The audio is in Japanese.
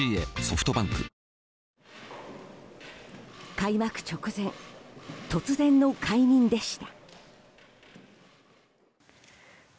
開幕直前、突然の解任でした。